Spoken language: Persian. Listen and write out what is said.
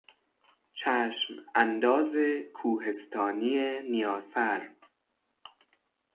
چشم انداز کوهستانی نیاسر